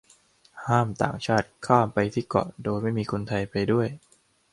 ห้ามต่างชาติข้ามไปที่เกาะโดยไม่มีคนไทยไปด้วย